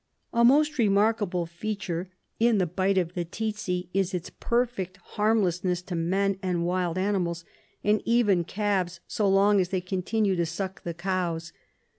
"A most remarkable feature in the bite of the tsetse is its perfect harmlessness to man and wild animals, and even calves so long as they continue to suck the cows.